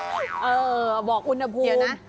เออบอกคุณอบภูมิ